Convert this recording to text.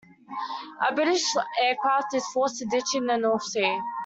A British aircraft is forced to ditch in the North Sea.